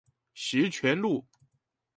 十全路